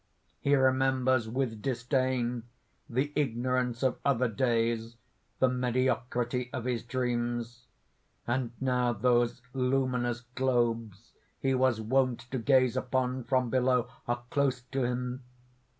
He remembers with disdain the ignorance of other days, the mediocrity of his dreams. And now those luminous globes he was wont to gaze upon from below, are close to him.